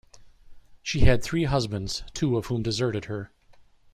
She had had three husbands, two of whom deserted her.